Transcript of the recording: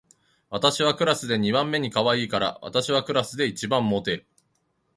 私はクラスで二番目にかわいいから、私はクラスで一番モテる